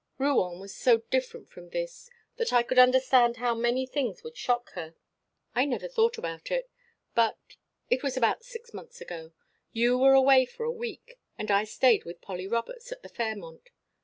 Rouen was so different from this that I could understand how many things would shock her. I never thought about it but it was about six months ago you were away for a week and I stayed with Polly Roberts at the Fairmont.